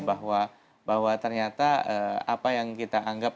bahwa ternyata apa yang kita anggap